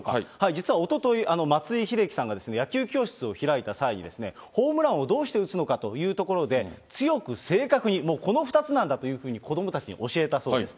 実はおととい、松井秀喜さんが野球教室を開いた際に、ホームランをどうして打つのかというところで、強く正確に、もうこの２つなんだというふうに、子どもたちに教えたそうです。